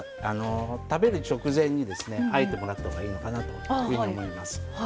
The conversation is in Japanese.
食べる直前にあえてもらった方がいいのかなと思います。